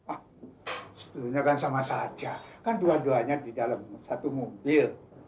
oh sebetulnya kan sama saja kan dua duanya di dalam satu mobil